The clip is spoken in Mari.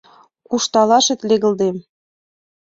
Кушталташет легылдем.